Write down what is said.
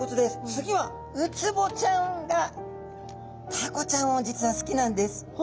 次はウツボちゃんがタコちゃんを実は好きなんです。